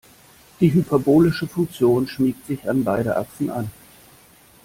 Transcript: Die hyperbolische Funktion schmiegt sich an beide Achsen an.